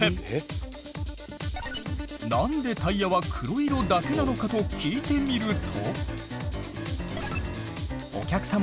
「なんでタイヤは黒色だけなのか」と聞いてみると。